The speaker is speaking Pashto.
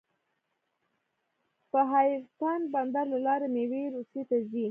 د حیرتان بندر له لارې میوې روسیې ته ځي.